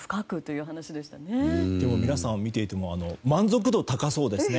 今日、皆さんを見ていても満足度が高そうですね